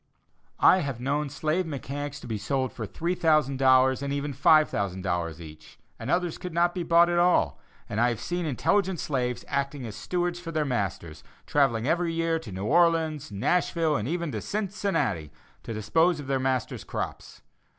I have known slave mechanics to be sold for $3,000 and even $5,000 each, and others could not be bought at all; and I have seen intelligent slaves acting as stewards for their masters, travelling every year to New Orleans, Nashville, and even to Cincinnati, to dispose of their master's crops.